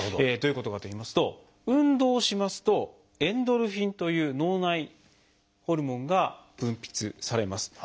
どういうことかといいますと運動をしますと「エンドルフィン」という脳内ホルモンが分泌されます。